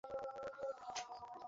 তিনি অনির্দিষ্ট ভঙ্গিতে এগুচ্ছেন।